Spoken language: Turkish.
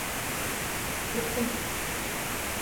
Bıktım…